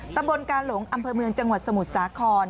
ตำบลกาหลงอำเภอเมืองจังหวัดสมุทรสาคร